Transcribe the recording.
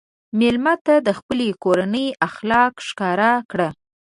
مېلمه ته د خپلې کورنۍ اخلاق ښکاره کړه.